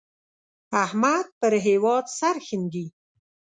احمد پر هېواد سرښندي.